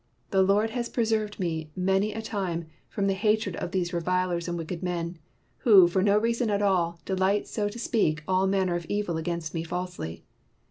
The Lord has preserved me many a time from the hatred of these revilers and wicked men, who, for no reason at all, delight so to speak all manner of evil against me falsely.